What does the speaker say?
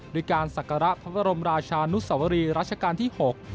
โดยการศักระพระบรมราชานุสวรีรัชกาลที่๖